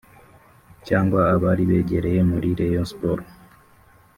cyangwa abari begereye muri Rayon Sports